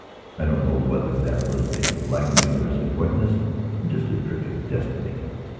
I don't know whether that was a blackmailer's adroitness or just a trick of destiny.